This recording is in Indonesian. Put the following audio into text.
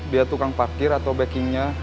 dia tukang parkir atau backingnya